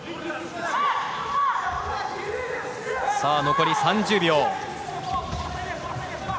残り３０秒。